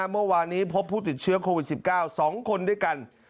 เมื่อวานนี้พบผู้ติดเชื้อโควิด๑๙๒คนด้วยกัน